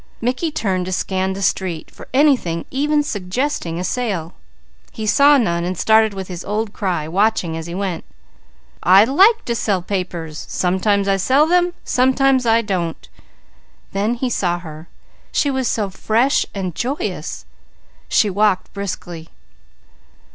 Mickey turned to scan the street for anything even suggesting a sale. He saw none and started with his old cry, watching as he went: "I like to sell papers! Sometimes I sell them! Sometimes I don't !" Then he saw her. She was so fresh and joyous. She walked briskly.